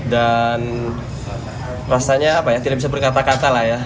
dan rasanya tidak bisa berkata kata lah ya